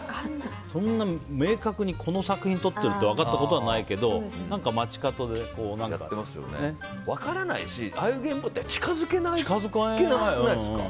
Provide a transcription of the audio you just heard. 明確にこの作品撮っているって分かったことないけど分からないしああいう現場って近づけなくないですか。